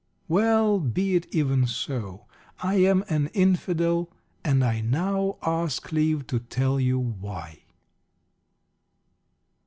Well, be it even so. I am an "Infidel," and I now ask leave to tell you why.